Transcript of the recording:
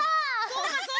そうかそうか。